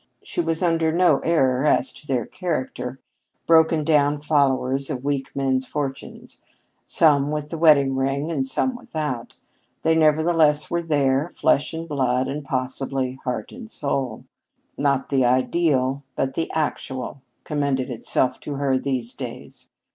She was under no error as to their character. Broken down followers of weak men's fortunes, some with the wedding ring and some without, they nevertheless were there, flesh and blood, and possibly heart and soul. Not the ideal but the actual commended itself to her these days.